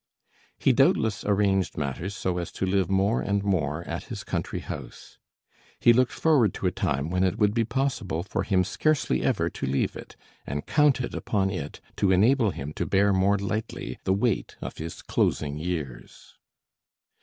He doubtless arranged matters so as to live more and more at his country house. He looked forward to a time when it would be possible for him scarcely ever to leave it, and counted upon it to enable him to bear more lightly the weight of his closing years.